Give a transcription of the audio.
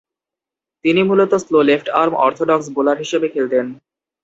তিনি মূলতঃ slow left arm orthodox bowler হিসেবে খেলতেন।